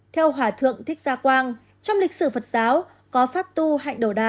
theo hỏa thượng thích gia quang trong lịch sử phật giáo có pháp tu hạnh đồ đà